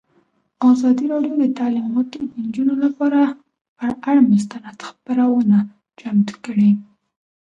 ازادي راډیو د تعلیمات د نجونو لپاره پر اړه مستند خپرونه چمتو کړې.